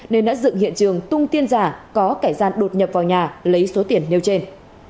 nên đã dựng hiện trường tung tin giả có kẻ gian đột nhập vào nhà lấy số tiền nêu trên